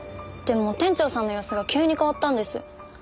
でも店長さんの様子が急に変わったんです。